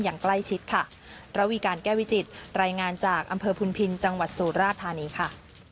อย่างใกล้ชิดค่ะระวีการแก้วิจิตรายงานจากอำเภอพุนพินจังหวัดสุราธานีค่ะ